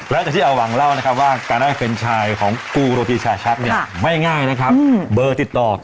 แล้วกับที่เอาหวังเล่านะครับว่ากรณาแฟนไชยของกุโรธีชาชักเนี่ย